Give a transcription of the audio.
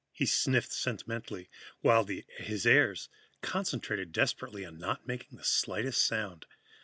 He sniffed sentimentally, while his heirs concentrated desperately on not making the slightest sound.